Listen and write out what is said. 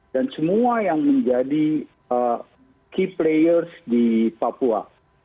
dan semua yang menjadi key players di papua